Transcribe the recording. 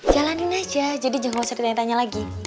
jalanin aja jadi jangan usah ditanya tanya lagi